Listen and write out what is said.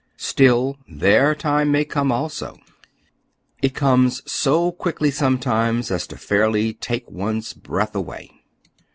Still, their time may come also. It conies so quickly sometimes as to fairly take one's breath away.